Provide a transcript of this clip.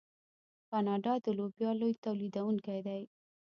کاناډا د لوبیا لوی تولیدونکی دی.